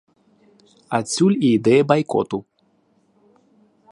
Адсюль і ідэя байкоту.